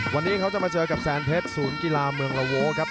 วันนี้เขาจะมาเจอกับแสนเพชรศูนย์กีฬาเมืองละโว้ครับ